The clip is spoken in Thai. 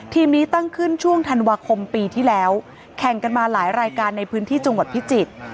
ทีมนี้ตั้งขึ้นช่วงธันวาคมปีที่แล้วแข่งกันมาหลายรายการในพื้นที่จังหวัดพิจิตร